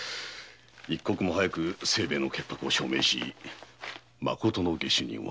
一刻も早く清兵衛の潔白を証明し真の下手人を。